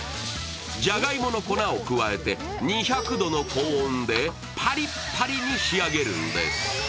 じゃがいもの粉を加えて２００度の高温でパリパリに仕上げるんです。